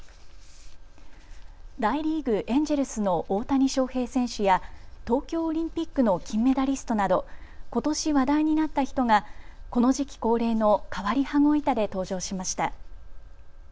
大リーグ、エンジェルスの大谷翔平選手や東京オリンピックの金メダリストなどことし話題になった人がこの時期恒例の変わり羽子板で登場しました。